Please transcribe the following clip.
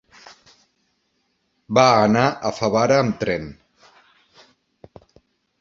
Va anar a Favara amb tren.